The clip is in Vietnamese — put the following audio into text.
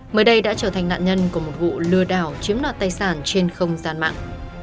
mới đây đã trở thành nạn nhân của một vụ lừa đảo chiếm đoạt tài sản trên không gian mạng